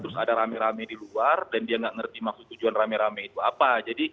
terus ada rame rame di luar dan dia nggak ngerti maksud tujuan rame rame itu apa